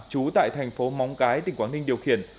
trú tại thành phố móng cái tỉnh quảng ninh điều khiển